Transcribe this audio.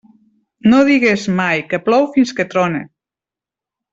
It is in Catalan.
No digues mai que plou fins que trone.